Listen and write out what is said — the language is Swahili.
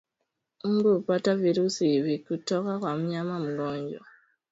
Mbu hupata virusi hivi kutoka kwa mnyama mgonjwa